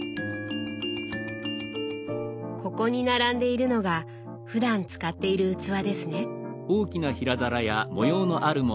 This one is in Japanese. ここに並んでいるのがふだん使っている器ですね。